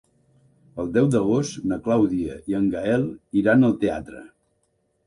El deu d'agost na Clàudia i en Gaël iran al teatre.